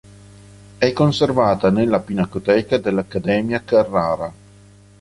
É conservata nella pinacoteca dell'Accademia Carrara.